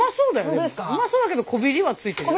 うまそうだけどこびりはついてるよ。